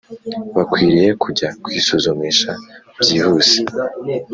bakwiriye kujya kwisuzumisha byihuse